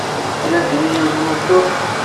Ad am-d-inin yiwen n wufur.